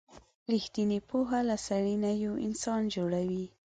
رښتینې پوهه له سړي نه یو نوی انسان جوړوي.